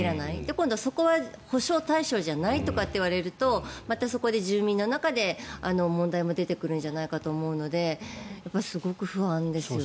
今度、そこは補償対象じゃないとか言われるとまた、そこで住民の中で問題も出てくるんじゃないかと思うのですごく不安ですね。